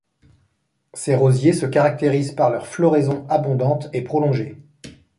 Ces rosiers se caractérisent par leur floraison abondante et prolongée.